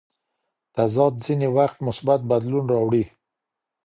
تضاد ځینې وخت مثبت بدلون راوړي.